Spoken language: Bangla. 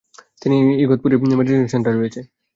তিনি ইগতপুরীর মেডিটেশন সেন্টারে রয়েছে।